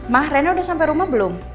ma renna sudah sampai rumah belum